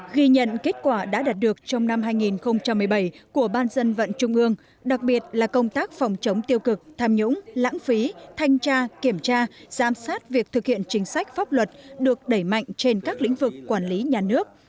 ghi nhận kết quả đã đạt được trong năm hai nghìn một mươi bảy của ban dân vận trung ương đặc biệt là công tác phòng chống tiêu cực tham nhũng lãng phí thanh tra kiểm tra giám sát việc thực hiện chính sách pháp luật được đẩy mạnh trên các lĩnh vực quản lý nhà nước